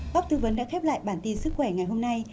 bác tư vấn đã khép lại bản tin sức khỏe ngày hôm nay